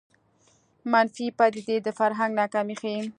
منفي پدیدې د فرهنګ ناکامي ښيي